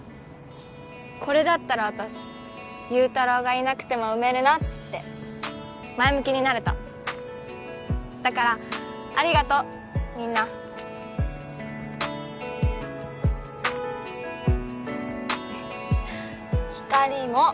これだったら私祐太郎がいなくても産めるなって前向きになれただからありがとうみんなひかりも！